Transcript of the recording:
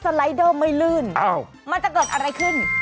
ใช่แต่ถ้าสไลด์เดอร์ไม่เลื่อนมันจะเกิดอะไรขึ้น